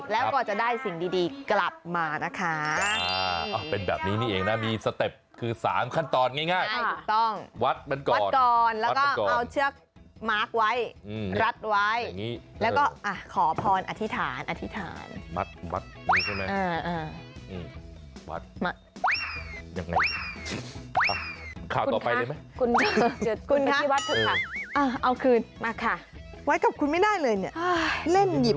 แล้วก็จะได้สิ่งดีกลับมานะคะเป็นแบบนี้นี่เองนะมีสเต็ปคือ๓ขั้นตอนง่ายต้องวัดมันก่อนแล้วก็เอาเชือกมาร์คไว้รัดไว้แล้วก็ขอพรอธิษฐานอธิษฐานมัดมัดมัดขาวต่อไปเลยไหมคุณค่ะเอาคืนมาค่ะไว้กับคุณไม่ได้เลยเนี่ยเล่นหยิบ